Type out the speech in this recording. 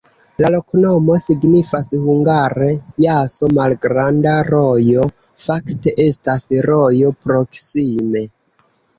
La loknomo signifas hungare: jaso-malgranda rojo, fakte estas rojo proksime.